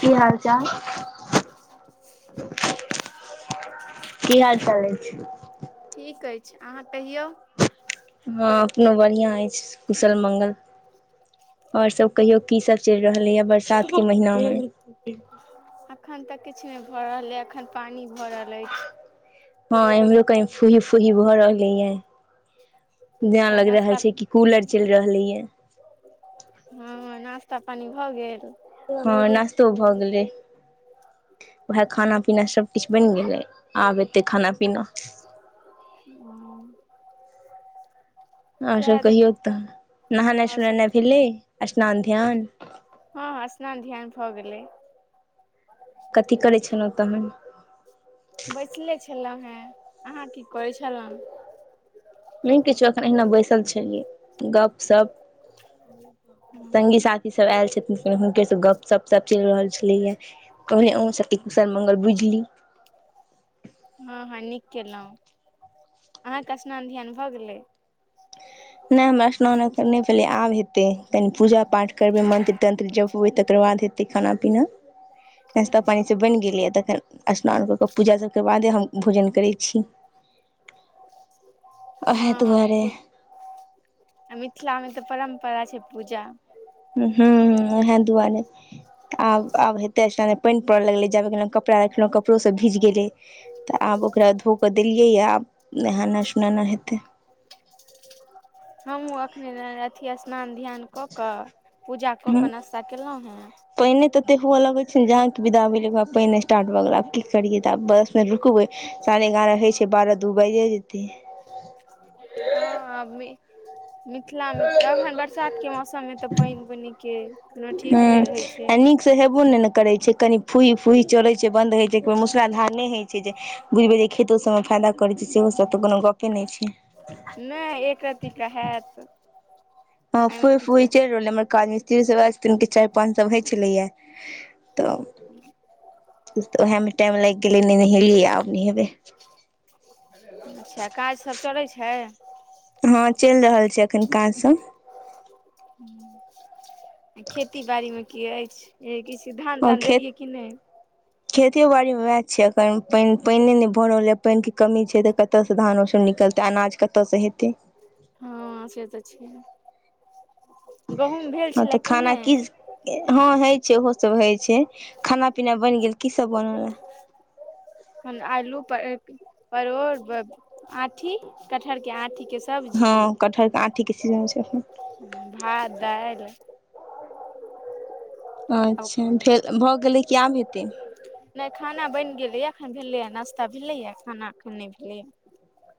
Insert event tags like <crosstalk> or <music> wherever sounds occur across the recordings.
की हाल चाल। की हाल चाल अइछ। ठीक अइछ, अहाँ कहियौ। हँ अपनो बढ़िआँ अइछ कुशल मङ्गल। और सब कहियो, की सब चलि रहल यऽ बरसात के महिना मे। जी। अखन तऽ किछु नहि भऽ रहल अछि, अखन पानी भऽ रहल अछि। हँ एमहरो की फूही फूही भऽ रहलैये। जेना अच्छा लागि रहल नाश्ता छै कि कूलर चलि रहलैये। हँ नाास्ता पानी भऽ गेल। हँ नास्तो भऽ गेलै। वैह खाना पीना सभ किछु बनि गेलै आब हेतै खाना पीना। हुं। आओर सब कहियौ तऽ, नहेनाइ आओर सब सोनेनाइ भेलै स्नान ध्यान। हँ हँ स्नान ध्यान भऽ गेलै। कथी करै छलहुँ तखन। बैसले छलहुँ हेँ, अहाँ की करै छलहुँ। नहि किछो एखन अहिना बैसल छलियै, गप सप। संगी साथी सब आयल छथिन, हुनके से गप सप चलि रहल छलैये। कहलियै अहुं सँ कुशल मंगल बुझि ली। हँ हँ नीक केलहुँ, अहाँके स्नान ध्यान भऽ गेलै। नहि हमरा स्नान अखैन नै भेलै आब हेतै कनि पूजा पाठ करबै मन्त्र तन्त्र जपबै तकर बाद हेतै। हेतै खाना पीना। नश्ता पानि सब बनि गेलैये तखन स्नान कऽ कऽ पूजा सभके बादे हम भोजन करै छी। <inaudible> हँ हँ दुआरे क आ मिथिलामे तऽ परम्परा छै पूजा। हुं, हुं ओहे दुआरे। आब आब हेतै एहिना पानि पड़य लगलै जाबे गेलहुँ कपड़ा रखलहुँ, कपड़ो सभ भीज गेलै। तऽ आब ओकरा धोक कऽ देलियैए आब नेहेनै स सोनेनै हेतै। हमहुँ अखने अथि स्नान ध्यान कऽ कऽ पूजा कऽ कऽ नाश्ता केलहुॅं हेँ पानिये तते हुअ लगै छै जहाँ कि विदा भेलियै ओ पानिये स्टार्ट भऽ गेलै आब की करियै तऽ आब बस फेर रुकबै साढ़े एगारह होइ छै बारह दू बैजे जेतै। हँ आब नै। ह <inaudible> मिथिलामे अखन बरसातके मौसममे तऽ पानि बुनिके कोनो ठीक नहि रहै छै‌। से हेबो नहि ने करै छै कनि फूइ फूइ चलैत छै, बन्द होइत छै, एक बेर मुसलाधार नहि होइ छै जे बुझबै जे खेतो सबमे फायदा करैत छै सेहो सब तऽ कोनो गपे नहि छै। नै एक रत्ती के हैत। हं एहिमे फई फूई किछु चलि रहले हमर काज मिस्त्री सब के चारि पाँच सौ होइ छलैये। तऽ उएह मे टाइम लागि गेलै गेलैये आब नेहेबै। अच्छा काज सब चलै छै। हँ चलि रहल छै अखन काज सब। खेती बाड़ी मे की अछि। ए किछ धान तान देलियैये कि नहि। खेतो बाड़ीमे वैह छै एखन पानि, पानिए नहि भ रहलैयै, पानिके कमी छै तऽ कतऽ कतऽसँ धान ओसब निकलतै अनाज कतऽसँ हेतै। हँ से तऽ छै। गहुम भेल हँ तऽ छले कि खाना नहि। की हँ हइ छै ओहो सब हइ छै खाना- पीना बैन गेल की सब बनल ए। हम आलू प-परोड़ ब-आंठी कटहर के आंठी के स हँ कटहर के आंठी के सीजन छै अखने। भात, दालि अच्छा फेर भऽ गेलै कि आब हेतै? नै खाना बनि गेलैये एखन भेलैए नाश्ता भेलैये खाना एखन नै भेलैये।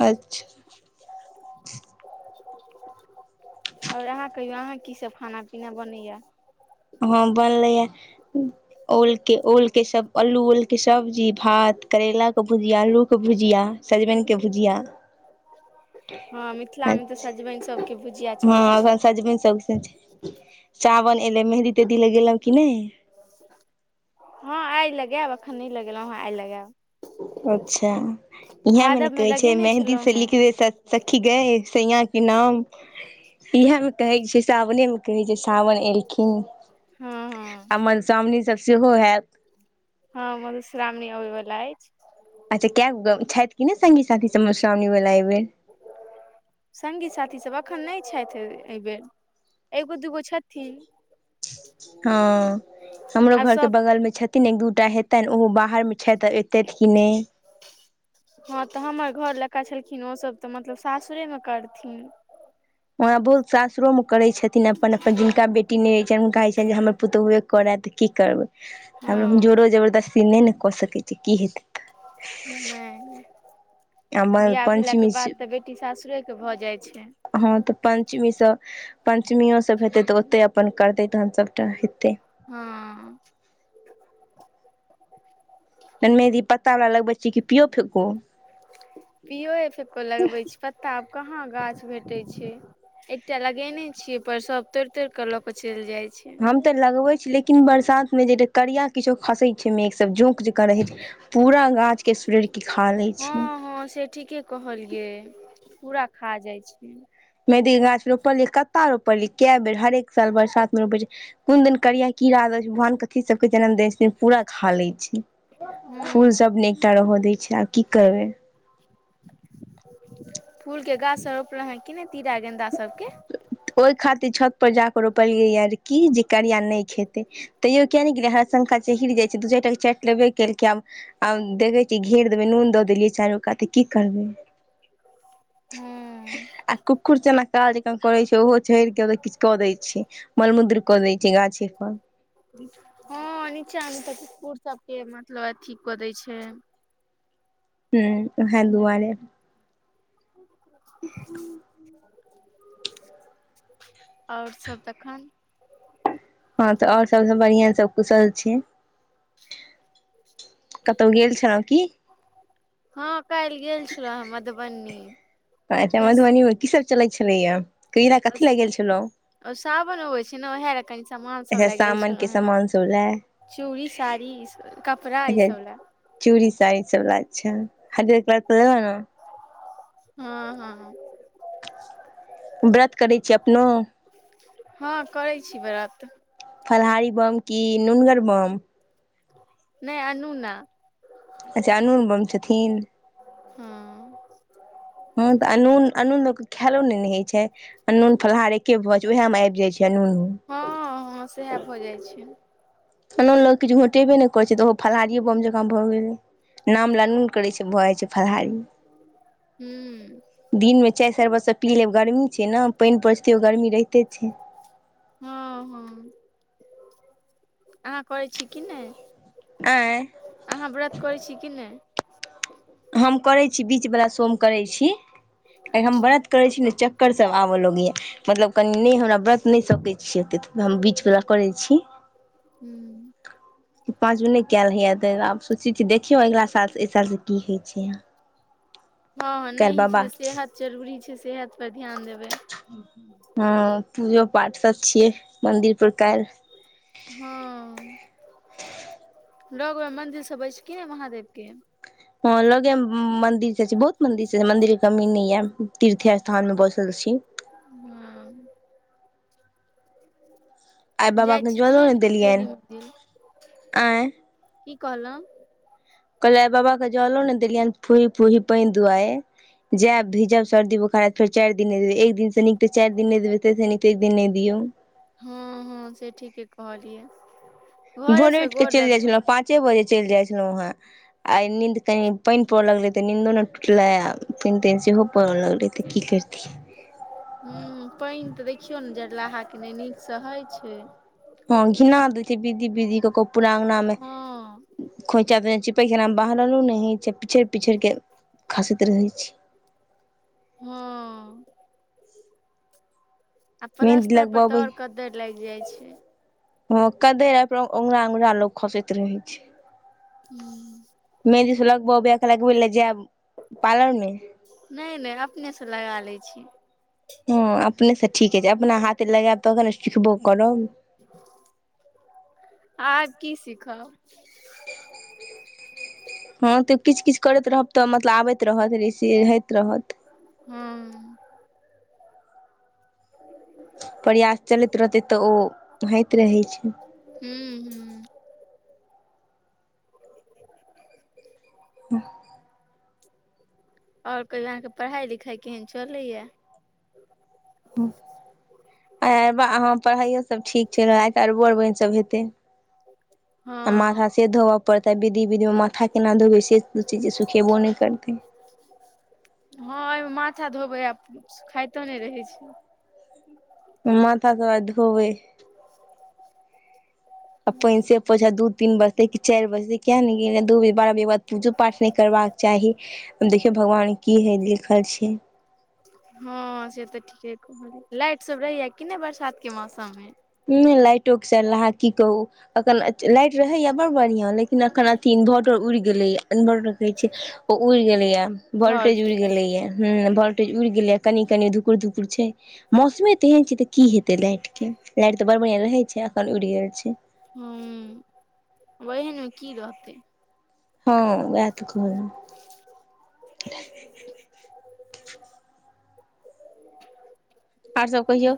अच्छा। और अहाँ कहियौ अहाँक की सब खाना- पीना बनैये? हँ बनलैये ओल के ओल के सब- अल्लू ओल के सब्जी भात करैलाक भुजिया अल्लू क भुजिया। सजबनि के भुजिया। हँ मिथिलामे तऽ अच्छ सजमनि सबके भुजिया हँ चलै अखैन छै सजबैन सब छै। सावन एलै मेहदी तेहदी लगेलौं कि नै? हँ आइ लगेएब अखन नै लगेलौं हँ आइ लगेएब। अच्छा इहेए मे न भादवमे कहै छै लगेने मेहदी छलहुँ से हेँ लिखबै सस सखी गै सैंया के नाम। इहेए म कहै छै साबने म कहै छै साबन एलखिन। हँ हँ आ मधुश्राावणी सब सेहो हेएत। हँ मधुश्रामणी अबै बला अइछ। अच्छा केक गो छाइथ कि नै सङ्गी साथी सब मधुश्रामणी बला एइ बेेर। सङ्गी - साथी सब अखन नै छथि अइ-अइबेर एगो- दूगो छथिन। हँ हमरो आब घर के सब बगल मे छथि न एक दूटा हेतनि ओहो बाहर मे छथि आ एतथि कि नै। हँ तऽ हमर घर लग का छलखिन ओ सब तऽ मतलब सासुरे मे करथिन। व आब बहुत सासुरो म करै छथिन अपन- अपन जिनका बेटी नै रहै छनि हुनका हइ छनि जे हमर पुतहुवे करथि। की करबै हमरो हँ जोरो जबरदस्ती नै ने कऽ सकै छी की हेतै। नै नै। हमर बियाह भेला के पञ्चमी बाद तऽ बेटी सासुरे क भऽ जाइ छै। हॅं तऽ पंचमी सँ पंचमियो सब हेतै तऽ ओत्तै अपन करतै तहन सबटा हेतै। हॅंऽ। तहैन मेहदी पत्ता बला लगबै छियै कि पियो - फेको? पियोए फेको लगबै छी पत्ता आब कहाँ गाछ भेटै छै। एकटा लगेने छियै पर सब तोड़ि -तोड़ि क लऽ कऽ चलि जाय हम ते लगबै छी लेकिन बरसात मे जेे एकटा करिया किछो खसै छै ओमे एक सब जोंक जे कां रहै छै पूरा गाछ के सूरैर के खा लै छै। हॅं से ठीके कहलियै पूरा खा जाइ छै। मेहदी क गाछ रोपलियै कत्ता रोपलियै केए बेर हरेक साल बरसात मे रोपै छियै। कोन दैन करिया कीड़ा अबै छ भवान कथी सब के जन्म दै छथिन पूरा खा लै छै। फूल हूँ सब ने एकटा रहऽ दै छै आब की करबै। फूल के गाछ सब रोपलौं हें कि नै तीरा गेन्दा सब के? ओइ खातिर छत पर जा कऽ रोपलियै ये की जे करिया नै खेतै तैयो किया नै गेलियै हराशंखा छै हिर जाइ छै दु चारि टा क चाटि लेबे केलकै आ म आम्म देखै छियै घेर देबै नून दऽ देलियै चारो काते क। की करबै, हूँ आ कु जना काज कन करै छै ओहो, चढ़ के किछु कऽ दै छै, मलमूद्र कऽ दय छै गाछे पर। हँ नीचा में तऽ कुकुर सबके मतलब अथी कऽ दै छै। हूं ओहै दुआरे। और सब तखन। हँ तऽ और सभसँ बढ़िआँ सभ कुशल छै। कतहु गेल छलहुँ की? हँ काल्ह गेल छलौं मधुबनी। अच्छा मधुबनी में की सब चलै छलैए, कथी लए गेल छलहुँ। ओ साबन आबै छै ने ओएह ले कनि समान सब अच्छा लए गेल सामान के छलहुँ हॉं, सामान सब लए चूड़ी, साड़ी, इ कपड़ा अच्छा ईसब लए। चूड़ी साड़ी सब लऽ अच्छा, हरियर तैक के लेलहूं ने। हॅं-हॅं। व्रत करै छी अपनो। हॉं करै छी व्रत। फलाहारी बम की नुनगर बम। नै अनूना। अच्छा अनून बम छथिन। हॅं। हॅं तऽ अूनन- अनून लोक के खैयलो नहि ने होइ छै। अनून फलाहार एके भऽ जै छै, उएहमें आबि जाइ छै अनूनो। हॅं- हॅं सेएह भऽ जाइ छै। अनोन लोक किछु घोटेबे नै करै छै, तऽ ओहो फललाहारिए बम जँकाँ भऽ गेलै। नाम लऽ नून करै छै, भऽ जाइ छै फलाहारी। हूं। दिनमें चाय सरबतसँ पी लेब गरमी छै ने, पाइन परैत छै तैअयो गर्मी रहिते छै। हॅं- हॅं। अहाँ करै छी कि नै। आंय। अहाँ व्रत करैत छी कि नै? हम करै छी, बीच बला सोम करै छी, हम अच्छा व्रत करै छी ने, चक्कर सब आबऽ लगय ये। मतलब कनि नै हमरा व्रत नै सकैत छी ओतेक, हम बीचबला करैत छी। हूं। कि पाँच गो नहि कयल होइए, तऽ आब सोचै छी देखियौ अगिला सालसँ एहि सालसँ की होइ छै। हँ-हॅं नै काल्हि होय छै बाबा तऽ सेहत जरूरी छै, सेहत पर ध्यान देबै। हँ पूजो पाठ सब छियै, मन्दिर पर काइल्। हँ लग मे मन्दिर सब अछि की नै, महादेव के। हॅं लगे मे मंदिर सब छै, बहुत मंदिर सब छै मंदिर के कमी नहि यऽ, तीर्थ स्थान में बसल छी। हूं। आइ बाबा जाइ के छी की जलो नै ने डेली देलियनि मन्दिर, आँय कि कहलहुॅं? कहलौं आय बाबाक जलो नें देलियनि, फूही- फूही पानि दुआरे। जायब भिजब सर्दी बोखार हेत, फेर चारि दिन नहि देबै, एक दिनसँ नीक तऽ चारि दिन नहि देबै, ताहिसँ नीक तऽ एक दिन नै दियौ। हँ- हँ से ठीके कहलियै। घरे भोरे से उठि कऽ गोर चलि जाइत लगबै छलहुँ हें, पाँचे बजे चलि जाइत छलहुँ हेँ। आइ नीन्द कनी पाइन पड़ऽ लगलै त नीन्दो नै टूटलय आ पाइन-ताइन सेहो पड़ऽ लगलै। त की करतिए। हुं पाइन त देखियौ ने जड़लाहाके नै नीक से होइ छैय हँ घिना दय छैय विदीर-विदीर कऽके पुरा अंगना मे हँ खोइचा देने छैय पैघ अंगना बाहरलो नै होइ छैय। पीछैड़- पीछैड़ के खसैत रहै छी। हँ। आ मेहन्दी पलस्तर पर त लगबबै और कद्दैर लाइग जाय छैय। हँ कद्दे अय पर औंघरा-औंघरा लोक खसैत रहै छैय। हू। मेहदी सब लगबऽ बैये त लगबैले जैब पारलर मे। नै- नै अपने से लगा लै छी। हँ अपने से ठीके छैय अपना हाथे लगैब तखन ने सिखबो करब। आब की सिखब। ह <unintelligible> हँ त किछ-किछ करैत रहब त मतलब आबैत रहत रूचिये होइत रहत। हु। प्रयास चलैत रहतै त ओ होइत रहै छैय। हू- हू। हऽ और कहियौ अहाँके पढ़ाई-लिखाई केहेन चऽलैया। आय अरबा, हाँ पढ़ाइयो सब ठीक छैय, आइ त अरबो-अरबैन सभ हेतै। आ हँ माथा से धोबऽ पड़तै, विधि-विध मे मांथ माथा केना धोबै से दूखी जे सुखेबो नै करतै। हँ एयमे माथा धोबै आ सुखाइतो नै रहै छैय। हम माथा त आय धोबय। <unintelligible> आ पाइन से परय छैय, दू तीन बजतै की चारि बजतै किया ने गेलियै दू बारह बजेके बाद पूजो पाठ नै करबाक चाही, हम देखियौ भगवान की हइ लिखल छैय। हँ से त ठीके कहलियै। लाइट सब रहैया कि नै बरसातके मौसममे। नै लाइटो के सरलहा की कहू अखन लाइट रहैए बड़ बढ़ियाँ लेकिन अखन अथि इन्वर्टर उइड़ गेलैए, इन्वर्टर जे छैय ओ उड़ गेलैया, वोल्टेज उइड़ गेलेया, हुं वोल्टेज उइड़ गेलै कनि-कनि धुकुर-धुकुर छैय। मौसमे तेहन छैय त की हेतै लाइट के। लाइट त बड बढियाॅं रहै छैय अखन उड़ि गेल छैय। हु वोही ने की रहतै। हँ वएह त कहलौं। आर सब कहियौ।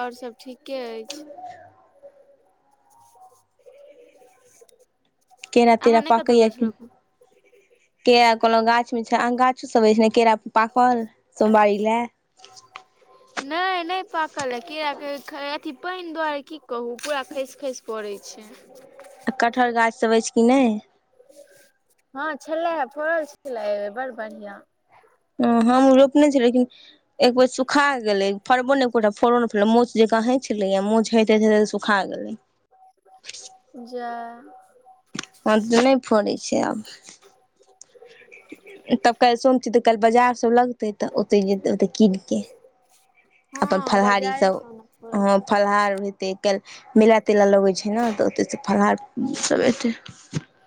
और सब ठीके अइछ। केरा अहाँ तेरा नहि कतहु पाकैए गेल कि? छलहु केरा कहलौं गाछमे छैय। आन गाछो सब अइछ ने केरा पाकल सोमवारी लए। नै, नै पाकल ह केराक अथी पाइन दुआरे की कहू पूरा खैस- खैस पड़ैय छैय। आ कटहर गाछ सब अइछ कि नै। हँं छलै हे फरल छलै अय बेर बड़ बढ़ियाँ। ओ हम ऊ रोपने छी लेकिन एक बेर सुखा गेलै फड़बो नै एकोटा फड़ो नै फड़लै मोंछ जेंका हई छलैयै मोंछ हेेइत हेइत हेइत सु खा गेलै। जा हं तऽ नै फड़ै छै आब। तब काइल सोम छी तऽ काइल बजार सब लग तइ त ओतै‌ जेतै ओतै कीनके अपन हँ फलहारी बाजारे सब स आनऽ पड़त हॅं फलहार हेतै काइल मेला तेला लगै छै न तऽ ओतैस फलाहार सभ एतै।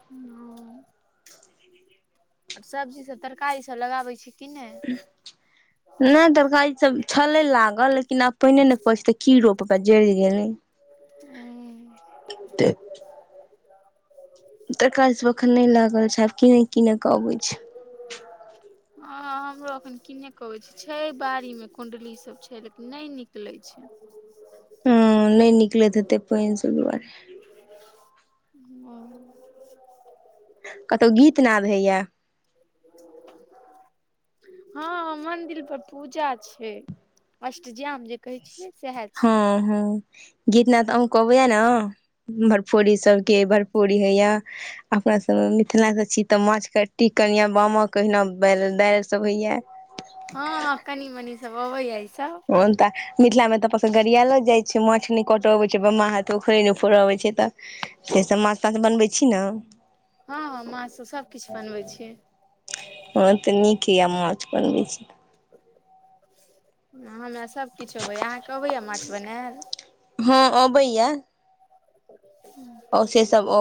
हंऽऽ आर सब्जी सब तरकारीसभ लगाबै छी कि नहि <unintelligible> नै तरकारी सभ छलै लागल लेकिन आब पाइने नै पडैछै तऽ की रोपबै जरि गेलै। उम्म ते तरकारी सब अखन नै लागल छै आब कीने कीने क अबै छै। हँ हमरो एखन कीने क अबै छै, छै बाड़ी मे कुण्डली सब छै लेकिन नै निकलै छै। <unintelligible> हूं नै निकलैत हेतै पाइन सब दुआरे कतौ गीत नाद होइया। <inaudible> हं हं मन्दिल पर पूजा छै अष्टजाम जे कहै छियै सएह हँ छै हँ गीत नाद अहूं के अबैया न भरफोडी सबके भरफोडी होइया अपना सभमे मिथिलास छी तऽ माछकट्टी कनियां बामाक ओहिना <unintelligible> सब होइए। हँ ह कनी मनी सब अबैयै इ सब। <unintelligible> मिथिला मे तऽ अपन सबके गड़ियैलो जाइ छै माछ नै कट अबै छै बामा हाथे उखरि नै फोड अबै छै तऽ से सब माछ ताछ बनबै छी न? हँ हँ माछ सब सब किछ बनबै छीयै। हँ तऽ नीक यै माछ बनबै छी त हं हमरा सभकिछ अबैयै अहाँके अबैयै माछ बनैल। हँ अबैयै। हं ओ से सब अबै।